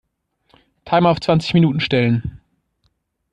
Timer auf zwanzig Minuten stellen.